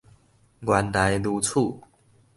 原來如此